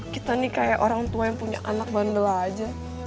kita nih kayak orang tua yang punya anak bandel aja